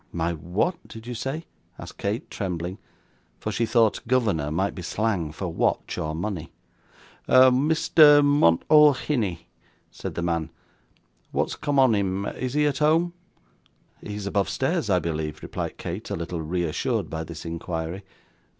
'My what did you say?' asked Kate, trembling; for she thought 'governor' might be slang for watch or money. 'Mister Muntlehiney,' said the man. 'Wot's come on him? Is he at home?' 'He is above stairs, I believe,' replied Kate, a little reassured by this inquiry.